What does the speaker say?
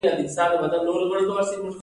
د بور کپنهاګن تفسیر مشهور دی.